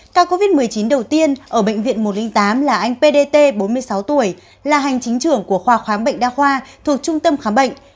ca covid một mươi chín đầu tiên ở bệnh viện một trăm linh tám là anh pdt bốn mươi sáu tuổi là hành chính trưởng của khoa khám bệnh đa khoa thuộc trung tâm khám bệnh